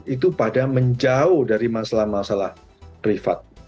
itu pada menjauh dari masalah masalah privat